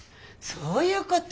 そういうこと？